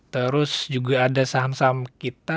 terus juga ada saham saham kita